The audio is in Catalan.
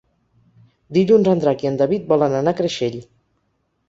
Dilluns en Drac i en David volen anar a Creixell.